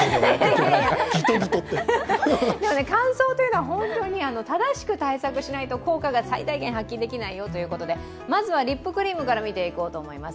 乾燥というのは正しく対策しないと効果が発揮されないよというとで、まずはリップクリームから見ていこうと思います。